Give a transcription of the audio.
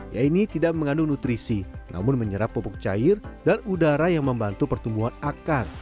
ya ini tidak mengandung nutrisi namun menyerap pupuk cair dan udara yang membantu pertumbuhan akan